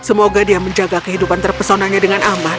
semoga dia menjaga kehidupan terpesonanya dengan aman